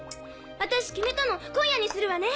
私決めたの今夜にするわね。